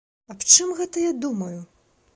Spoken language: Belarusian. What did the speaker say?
Аб чым гэта я думаю?